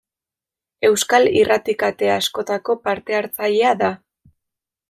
Euskal irrati-kate askotako parte hartzailea da.